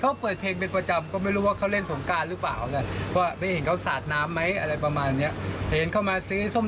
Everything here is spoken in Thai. เขาไม่รู้ว่าเล่นน้ำหรือเปล่าเพราะทำงานอยู่หลังบ้าน